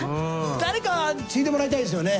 誰か継いでもらいたいですよね。